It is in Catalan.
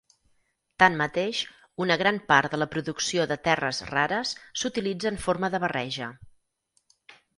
Tanmateix, una gran part de la producció de terres rares s'utilitza en forma de barreja.